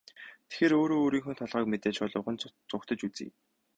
Тэгэхээр өөрөө өөрийнхөө толгойг мэдээд шулуухан зугтаж үзье.